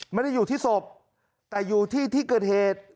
ไม่ได้อยู่ที่ศพแต่อยู่ที่ที่เกิดเหตุ